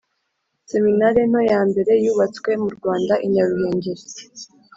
Seminari nto yambere yubatswe mu Rwanda, i Nyaruhengeri